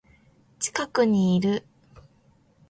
近くにいる